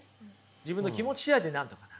自分の気持ち次第でなんとかなる。